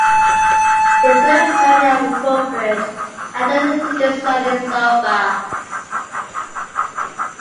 The third pioneer of corporate identity design is Saul Bass.